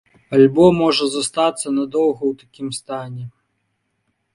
Альбо можа застацца надоўга ў такім стане?